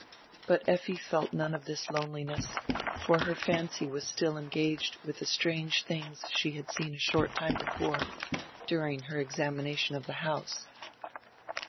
But Effi felt none of this loneliness, for her fancy was still engaged with tire strange things she had seen a short time before during her examination of tire house.